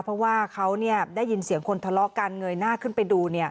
เพราะว่าเขาได้ยินเสียงคนทะเลาะกันเงยหน้าขึ้นไปดู